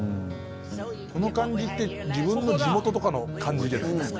この感じって自分の地元とかの感じじゃないですか。